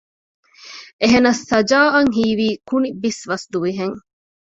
އެހެނަސް ސަޖާއަށް ހީވީ ކުނިބިސްވަސް ދުވިހެން